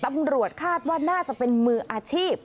ตำรวจคาดว่าน่าจะเป็นมืออาชีพ